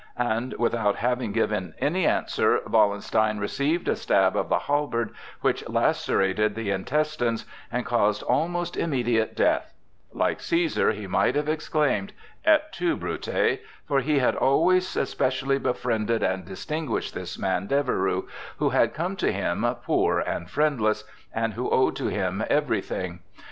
And without having given any answer, Wallenstein received a stab of the halberd which lacerated the intestines and caused almost immediate death. Like Cæsar, he might have exclaimed, "Et tu, Brute!" for he had always especially befriended and distinguished this man Deveroux, who had come to him poor and friendless, and who owed to him everything.